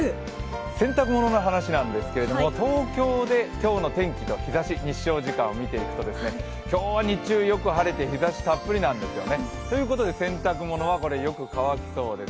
洗濯物の話なんですけど東京で今日の日ざし日照時間を見ていくと、今日は日中よく晴れて、日ざしたっぷりなんですよね。ということで洗濯物はよく乾きそうです。